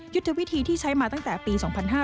ยุทธวิธีที่ใช้มาตั้งแต่ปี๒๕๕๙